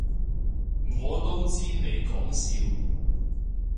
我都知你講笑